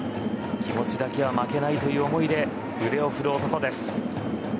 気持ちだけは負けないという思いで腕を振る男です。